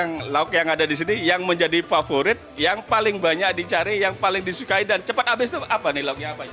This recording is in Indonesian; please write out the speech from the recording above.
yang lauk yang ada di sini yang menjadi favorit yang paling banyak dicari yang paling disukai dan cepat habis itu apa nih lauknya apa